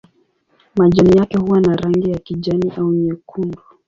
Majani yake huwa na rangi ya kijani au nyekundu.